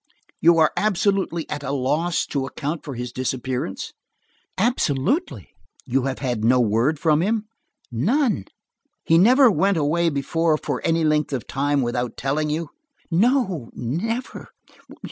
"You are absolutely at a loss to account for his disappearance?" "Absolutely." "You have had no word from him?" "None." "He never went away before for any length of time, without telling you?" "No. Never.